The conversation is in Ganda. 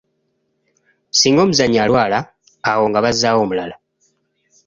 Singa omuzannyi alwala, awo nga bazaawo omulala.